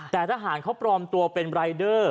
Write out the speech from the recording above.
แต่ทหารเขาปลอมตัวเป็นรายเดอร์